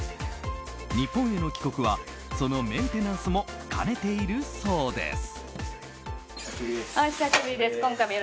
日本への帰国はそのメンテナンスも兼ねているそうです。